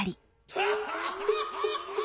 「ハハハハ」。